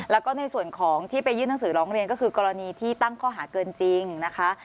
แล้วก็ในส่วนของที่ไปยื่นหนังสือร้องเรียนก็คือกรณีที่ตั้งข้อหาเกินจริงนะคะ